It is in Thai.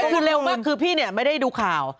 คือเร็วมากคือพี่เนี่ยไม่ได้ดูข่าว